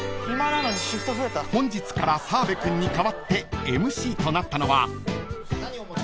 ［本日から澤部君に代わってＭＣとなったのは］